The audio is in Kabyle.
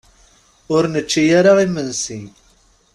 Ur nečči ara imensi.